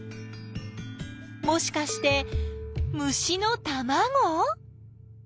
もしかして虫のたまご？